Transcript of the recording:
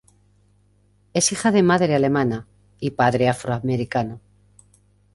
Es hija de madre alemana y padre afroamericano.